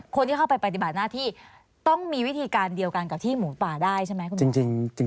คนที่เข้าไปปฏิบัติหน้าที่ต้องมีวิธีการเดียวกันกับที่หมูป่าได้ใช่ไหมคุณหมอ